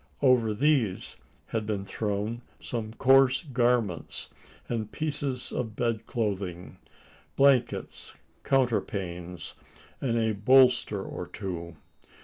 Over these had been thrown some coarse garments, and pieces of bed clothing blankets, counterpanes, and a bolster or two.